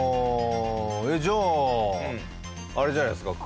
じゃああれじゃないですか？